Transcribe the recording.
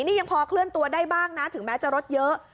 นี่ยังพอเคลื่อนตัวได้บ้างนะถึงแม้จะรถเยอะ